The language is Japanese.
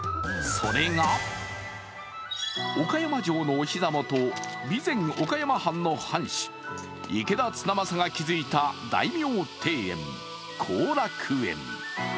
それが岡山城のお膝元、備前岡山藩の藩主、池田綱政が築いた大名庭園・後楽園